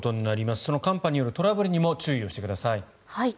その寒波によるトラブルにも注意をしてください。